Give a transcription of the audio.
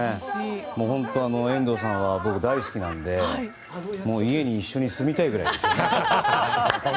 本当に遠藤さんは僕、大好きなので家に一緒に住みたいぐらいです。